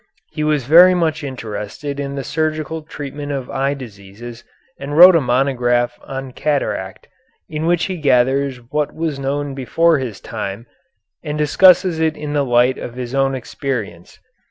He was very much interested in the surgical treatment of eye diseases and wrote a monograph on cataract, in which he gathers what was known before his time and discusses it in the light of his own experience.